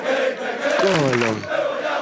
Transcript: golo